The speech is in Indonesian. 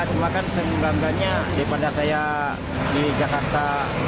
cuma kan bangganya daripada saya di jakarta